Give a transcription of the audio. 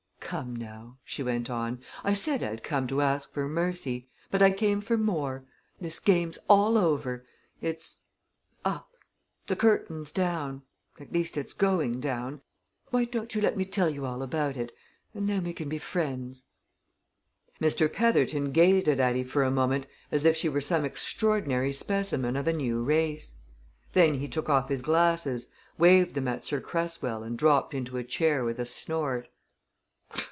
Come now," she went on, "I said I'd come to ask for mercy. But I came for more. This game's all over! It's up. The curtain's down at least it's going down. Why don't you let me tell you all about it and then we can be friends?" Mr. Petherton gazed at Addie for a moment as if she were some extraordinary specimen of a new race. Then he took off his glasses, waved them at Sir Cresswell and dropped into a chair with a snort.